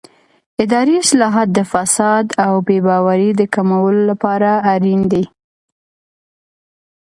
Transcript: اداري اصلاحات د فساد او بې باورۍ د کمولو لپاره اړین دي